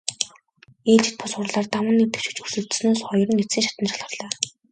Ээлжит бус хурлаар таван нэр дэвшигч өрсөлдсөнөөс хоёр нь эцсийн шатанд шалгарлаа.